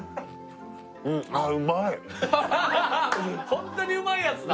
ホントにうまいやつだ